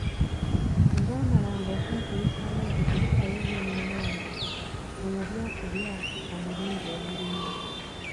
Olwamalanga okunkulisaayo nti "kulikayo nnyo munnange, omubi okulya, omulungi emirimo".